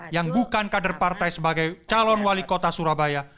yang bukan kader partai sebagai calon wali kota surabaya